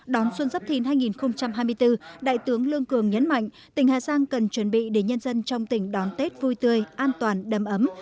đón xuân giáp thìn hai nghìn hai mươi bốn đại tướng lương cường nhấn mạnh tỉnh hà giang cần chuẩn bị để nhân dân trong tỉnh đón tết vui tươi an toàn đầm ấm